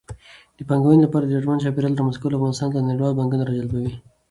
د پانګونې لپاره د ډاډمن چاپېریال رامنځته کول افغانستان ته نړیوال پانګوال راجلبوي.